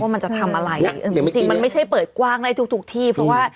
ว่ามันจะทำอะไรจริงมันไม่ใช่เปิดกว้างทุกที่